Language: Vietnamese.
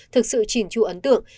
thực sự chỉn tru ấn tượng